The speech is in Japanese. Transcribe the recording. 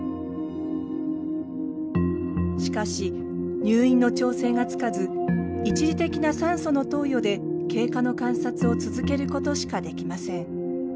しかし入院の調整がつかず一時的な酸素の投与で経過の観察を続けることしかできません。